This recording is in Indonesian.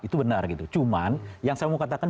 itu benar gitu cuman yang saya mau katakan